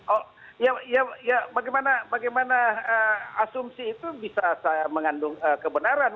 oh ya bagaimana asumsi itu bisa mengandung kebenaran